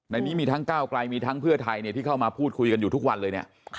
ในนี้มีทั้งก้าวไกลมีทั้งเพื่อไทยที่เข้ามาพูดคุยกันอยู่ทุกวันเลยเนี่ย